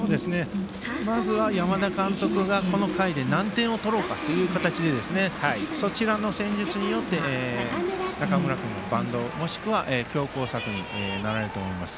まず山田監督がこの回で何点を取ろうかということでそちらの戦術によって中村君がバントもしくは強攻策になると思います。